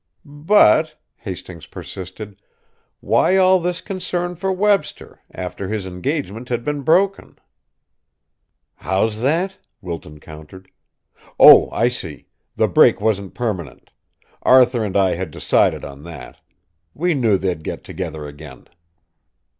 "But," Hastings persisted, "why all this concern for Webster, after his engagement had been broken?" "How's that?" Wilton countered. "Oh, I see! The break wasn't permanent. Arthur and I had decided on that. We knew they'd get together again."